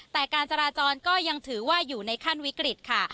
แต่การจราจรก็ยังถือว่าอยู่ในขั้นวิกฤตค่ะ